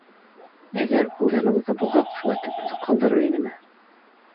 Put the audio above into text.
Әгәр ул яныбыҙҙа булһа, ошолайтып беҙҙе ҡалдырыр инеме?!